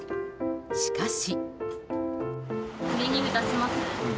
しかし。